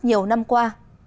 nhiều năm qua